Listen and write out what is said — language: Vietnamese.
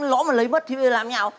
nó mà lấy mất thì làm thế nào